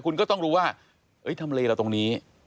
คุณก็ต้องรู้ว่าทำเลเราตรงนี้